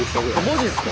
マジっすか？